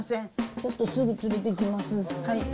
ちょっとすぐ連れてきます。